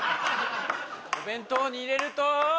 お弁当に入れると。